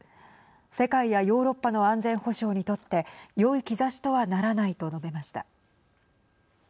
世界やヨーロッパの安全保障にとってよい兆しとはならないと述べました。